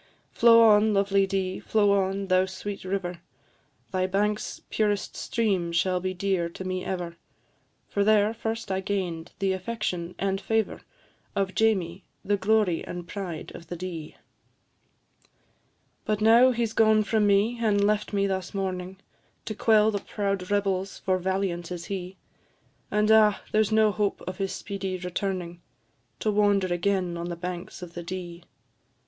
Flow on, lovely Dee, flow on, thou sweet river, Thy banks' purest stream shall be dear to me ever, For there first I gain'd the affection and favour Of Jamie, the glory and pride of the Dee. But now he 's gone from me, and left me thus mourning, To quell the proud rebels for valiant is he; And, ah! there's no hope of his speedy returning, To wander again on the banks of the Dee.